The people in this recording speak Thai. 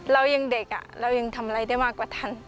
เรายังเด็กเรายังทำอะไรได้มากกว่าทัน